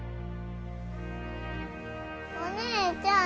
お姉ちゃん！